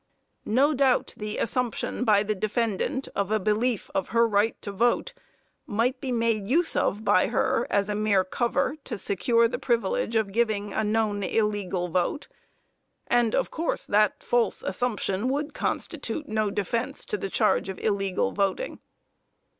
No doubt the assumption by the defendant of a belief of her right to vote might be made use of by her as a mere cover to secure the privilege of giving a known illegal vote, and of course that false assumption would constitute no defence to the charge of illegal voting.